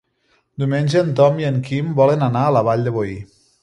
Diumenge en Tom i en Quim volen anar a la Vall de Boí.